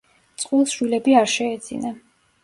წყვილს შვილები არ შეეძინა.